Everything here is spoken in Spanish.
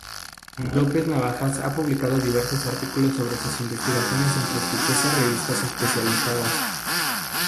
Ana López Navajas ha publicado diversos artículos sobre sus investigaciones en prestigiosas revistas especializadas.